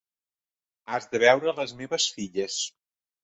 Has de veure les meves filles.